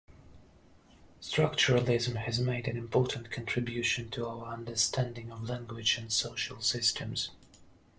Structuralism has made an important contribution to our understanding of language and social systems.